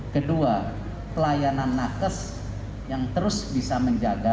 kedua pelayanan nakes yang terus bisa menjaga